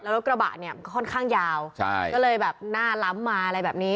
รถกระบะเนี่ยค่อนข้างยาวใช่ก็เลยแบบหน้าล้ำมาอะไรแบบนี้